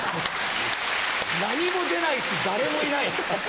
何も出ないし誰も居ない。